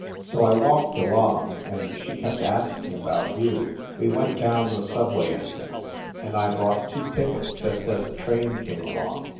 So I walked along, and she kept asking about you. We went down the subway entrance, and I bought two tickets just as a train came along.